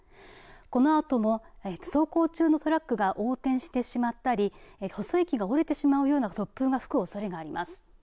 このあとも、走行中のトラックが横転してしまったり細い木が折れてしまうような突風が吹くおそれがあります。